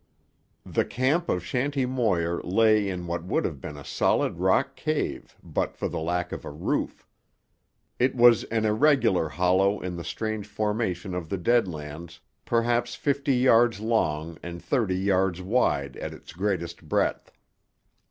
The camp of Shanty Moir lay in what would have been a solid rock cave but for the lack of a roof. It was an irregular hollow in the strange formation of the Dead Lands, perhaps fifty yards long and thirty yards wide at its greatest breadth.